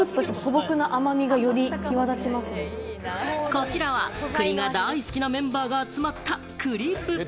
こちらは栗が大好きなメンバーが集まった栗部。